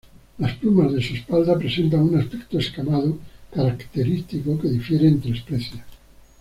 Las plumas de su espalda presentan un aspecto escamado característico que difiere entre especies.